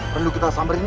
tunduk kita samberin yuk